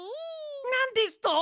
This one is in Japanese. なんですと？